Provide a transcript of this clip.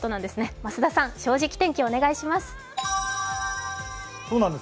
増田さん、「正直天気」お願いします。